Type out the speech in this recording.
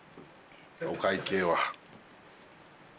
お会計は。